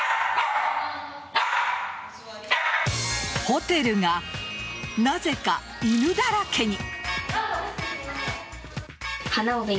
ホテルがなぜか犬だらけに。